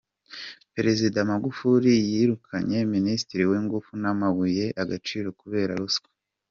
Perezida Magufuli yirukanye Minisitiri w’ ingufu n’ amabuye y’ agaciro kubera ruswa.